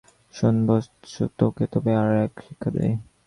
শোনা বৎস, তোমাকে তবে আর-এক শিক্ষা দিই।